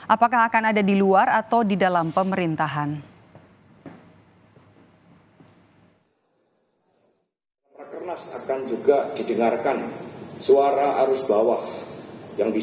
apakah akan ada di luar atau di dalam pemerintahan